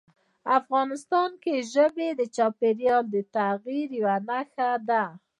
افغانستان کې ژبې د چاپېریال د تغیر یوه نښه ده.